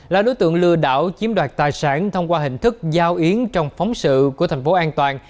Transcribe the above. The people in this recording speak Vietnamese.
là đối tượng lừa đảo chiếm đoạt tài sản thông qua hình thức giao yến trong phóng sự của thành phố an toàn